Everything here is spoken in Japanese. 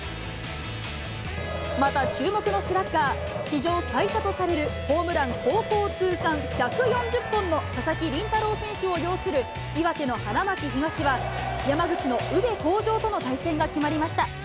また、注目のスラッガー、史上最多とされるホームラン高校通算１４０本の佐々木麟太郎選手を擁する、岩手の花巻東は、山口の宇部鴻城との対戦が決まりました。